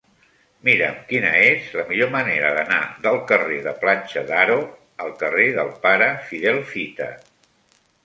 Mira'm quina és la millor manera d'anar del carrer de Platja d'Aro al carrer del Pare Fidel Fita.